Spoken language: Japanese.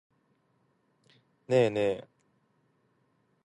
ねえねえ。